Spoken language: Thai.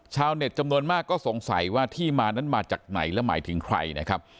ชาวเน็ตจำนวนมากก็สงสัยว่าที่มานั้นมาจากไหนและหมายถึงใครนะครับ